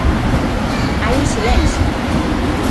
Hai un silencio.